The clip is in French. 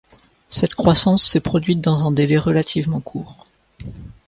Cette croissance s’est produite dans un délai relativement court.